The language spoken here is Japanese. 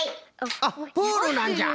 あっプールなんじゃ。